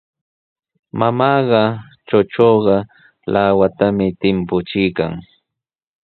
Mamaaqa chuchuqa lawatami timpuchiykan.